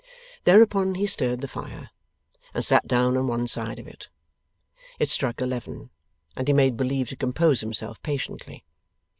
Thereupon he stirred the fire, and sat down on one side of it. It struck eleven, and he made believe to compose himself patiently.